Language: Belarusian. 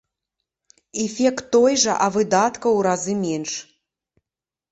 Эфект той жа, а выдаткаў у разы менш.